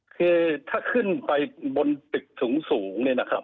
คือถ้าขึ้นไปบนตึกสูงเนี่ยนะครับ